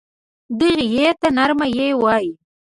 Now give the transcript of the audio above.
دغې ی ته نرمه یې وايي.